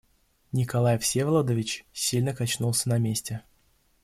Николай Всеволодович сильно качнулся на месте.